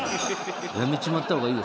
辞めちまった方がいいよ